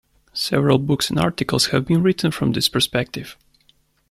Several books and articles have been written from this perspective.